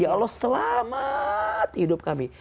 ya allah selamat hidup kami